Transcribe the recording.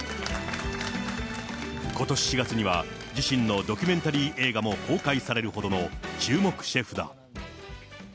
ことし４月には、自身のドキュメンタリー映画も公開されるほどの、注目シェフだ。